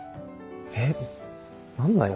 え何だよ？